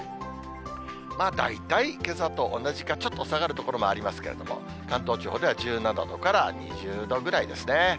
大体けさと同じか、ちょっと下がる所もありますけれども、関東地方では１７度から２０度ぐらいですね。